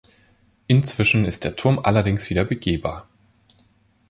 Inzwischen ist der Turm allerdings wieder begehbar.